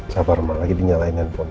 sabar lagi dinyalain handphone